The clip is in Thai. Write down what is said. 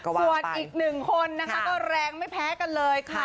ส่วนอีกหนึ่งคนนะคะก็แรงไม่แพ้กันเลยค่ะ